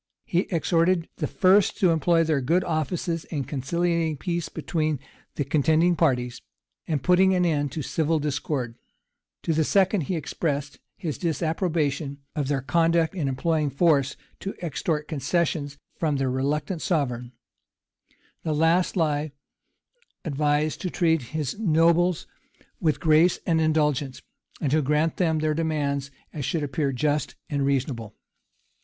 He exhorted the first to employ their good offices in conciliating peace between the contending parties, and putting an end to civil discord: to the second he expressed his disapprobation of their conduct in employing force to extort concessions from their reluctant sovereign: the last lie advised to treat his nobles with grace and indulgence, and to grant them such of their demands as should appear just and reasonable.